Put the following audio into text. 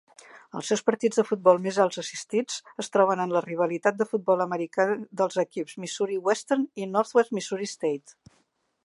Els seus partits de futbol més alts assistits es troben en la rivalitat de futbol americà dels equips de Missouri Western i Northwest Missouri State